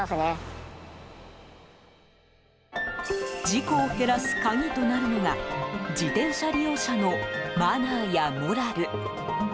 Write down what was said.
事故を減らす鍵となるのが自転車利用者のマナーやモラル。